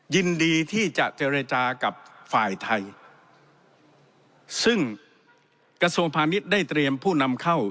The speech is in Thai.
ยินดีที่จะเจรจากับฝ่ายไทยซึ่งกระทรวงพาณิชย์ได้เตรียมผู้นำเข้า